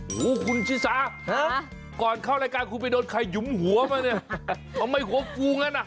โอ้โหคุณชิสาก่อนเข้ารายการคุณไปโดนใครหยุมหัวป่ะเนี่ยทำไมหัวฟูงั้นอ่ะ